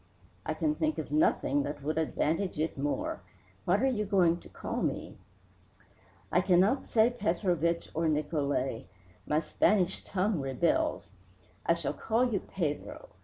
"I can think of nothing that would advantage it more. What are you going to call me?" "I cannot say Petrovich or Nicolai my Spanish tongue rebels. I shall call you Pedro.